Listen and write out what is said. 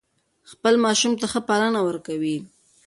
خپل ماشوم ته ښه پالنه ورکوي.